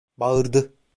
Bağırdı: